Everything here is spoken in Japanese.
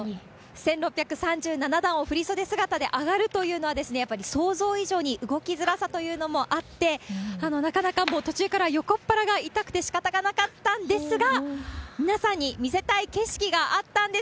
１６３７段を振り袖姿で上がるというのは、やっぱり想像以上に動きづらさというのもあって、なかなか、途中からは横っ腹が痛くてしかたがなかったんですが、皆さんに見せたい景色があったんです。